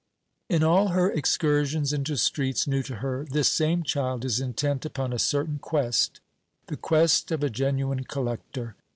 In all her excursions into streets new to her, this same child is intent upon a certain quest the quest of a genuine collector.